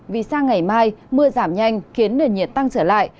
vì sao ngày mai mưa giảm nhanh khiến nền nhiệt tăng trở lại